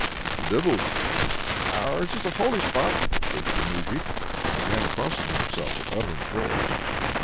"The Devil!" "Ours is a holy spot!" shrieked the moujik, and began crossing himself and uttering prayers.